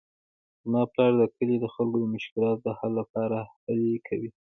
زما پلار د کلي د خلکو د مشکلاتو د حل لپاره هلې کوي